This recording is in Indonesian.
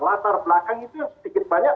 latar belakang itu yang sedikit banyak